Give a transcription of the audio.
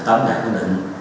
tóm cả quyết định